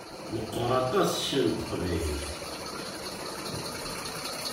Meqqeṛ aṭas ccan n teqbaylit!